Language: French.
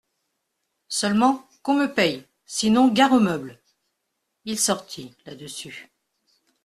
Seulement, qu'on me paye, sinon, gare aux meubles !… Il sortit, là-dessus.